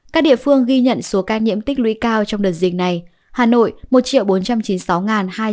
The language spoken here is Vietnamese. các địa phương ghi nhận số ca nhiễm tích lũy cao trong đợt dịch này